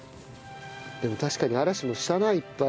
でも確かに嵐もしたないっぱい。